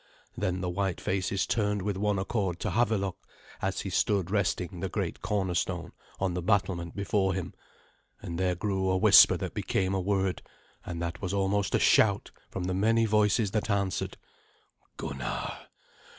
Then the white faces turned with one accord to Havelok, as he stood resting the great cornerstone on the battlement before him, and there grew a whisper that became a word and that was almost a shout from the many voices that answered. "Gunnar!